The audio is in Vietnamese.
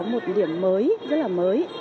một điểm mới rất là mới